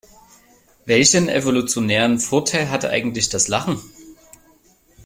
Welchen evolutionären Vorteil hatte eigentlich das Lachen?